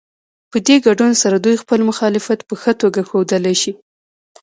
په دې ګډون سره دوی خپل مخالفت په ښه توګه ښودلی شي.